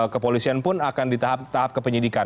kepolisian pun akan di tahap tahap kepenyidikan